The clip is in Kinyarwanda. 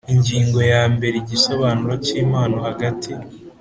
Ingingo ya mbere Igisobanuro cy impano hagati